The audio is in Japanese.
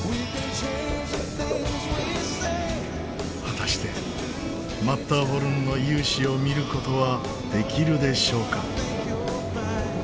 果たしてマッターホルンの雄姿を見る事はできるでしょうか？